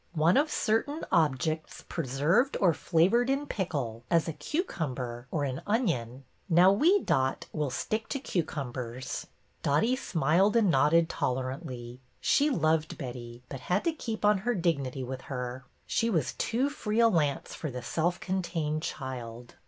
' One of certain objects preserved or flavored in pickle, as a cucumber or an onion.' Now we, Dot, will stick to cucumbers." Dotty smiled and nodded tolerantly. She loved Betty, but had to keep on her dignity with her; she was too free a lance for the self contained child.